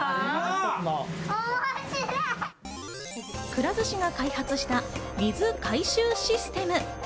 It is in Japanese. くら寿司が開発した水回収システム。